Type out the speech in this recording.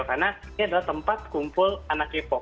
karena ini adalah tempat kumpul anak k pop